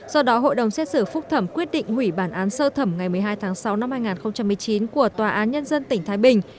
do đó hội đồng xét xử phúc thẩm quyết định hủy bản án sơ thẩm ngày một mươi hai tháng sáu năm hai nghìn một mươi chín của tòa án nhân dân tỉnh thái bình